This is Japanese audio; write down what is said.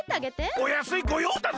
おやすいごようだぜ！